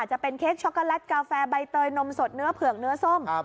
จะเป็นเค้กช็อกโกแลตกาแฟใบเตยนมสดเนื้อเผือกเนื้อส้ม